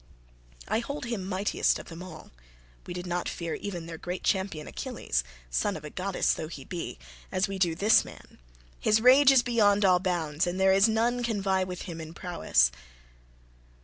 I hold him mightiest of them all; we did not fear even their great champion Achilles, son of a goddess though he be, as we do this man: his rage is beyond all bounds, and there is none can vie with him in prowess."